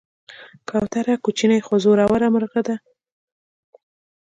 کوتره کوچنۍ خو زړوره مرغه ده.